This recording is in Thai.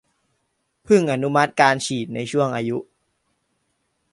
เพิ่งอนุมัติการฉีดในช่วงอายุ